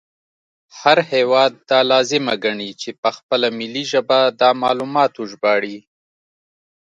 هر هیواد دا لازمه ګڼي چې په خپله ملي ژبه دا معلومات وژباړي